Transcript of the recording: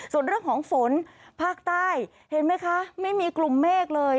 ส่วนเรื่องของฝนภาคใต้เห็นไหมคะไม่มีกลุ่มเมฆเลย